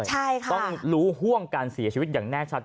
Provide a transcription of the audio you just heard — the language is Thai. ใช่ค่ะต้องรู้ห่วงการเสียชีวิตอย่างแน่ชัด